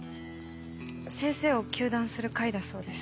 先生を糾弾する会だそうです。